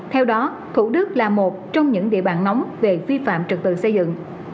theo đó thủ đức là một trong những địa bàn nóng về vi phạm trật tự xây dựng